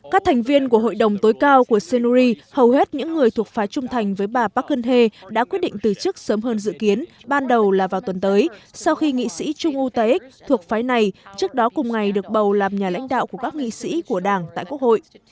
các thành viên của hội đồng tối cao của saenuri hầu hết những người thuộc phái trung thành với bà park geun hye đã quyết định từ chức sớm hơn dự kiến ban đầu là vào tuần tới sau khi nghị sĩ chung woo taek thuộc phái này trước đó cùng ngày được bầu làm nhà lãnh đạo của các nghị sĩ của đảng tại quốc hội